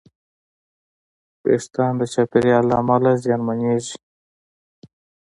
وېښتيان د چاپېریال له امله زیانمنېږي.